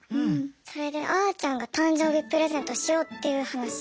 それであーちゃんが誕生日プレゼントしようっていう話になって。